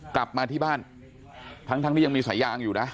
กลับมาที่บ้านทั้งที่ยังมีสายยางอยู่นะ